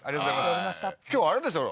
今日あれでしょ？